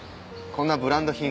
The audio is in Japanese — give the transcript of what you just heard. こんなブランド品